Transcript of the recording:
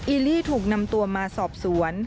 ลี่ถูกนำตัวมาสอบสวน